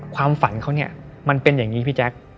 ความฝันเขาเนี่ยมันเป็นอย่างนี้พี่แจ๊ค